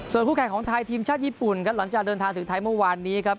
ส่วนคู่แข่งของไทยทีมชาติญี่ปุ่นครับหลังจากเดินทางถึงไทยเมื่อวานนี้ครับ